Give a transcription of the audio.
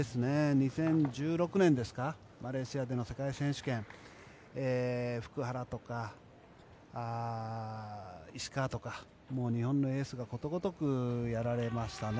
２０１６年ですかマレーシアでの世界選手権福原とか石川とか日本のエースがことごとくやられましたね。